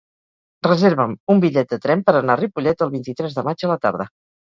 Reserva'm un bitllet de tren per anar a Ripollet el vint-i-tres de maig a la tarda.